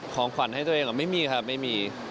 ของขวัญให้ตัวเองเหรอไม่มีครับไม่มี